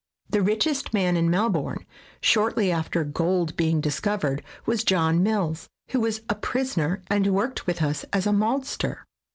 The richest man in Melbourne, shortly after gold being discovered, was John Mills, who was a prisoner and worked with us as a maltster.